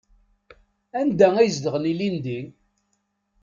Anda ay zedɣen ilindi?